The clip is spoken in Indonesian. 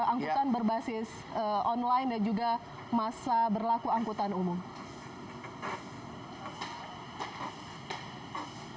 angkutan berbasis online dan juga masa berlaku angkutan umum